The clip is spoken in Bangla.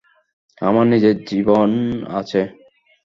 আমার নিজের জীবন আছে।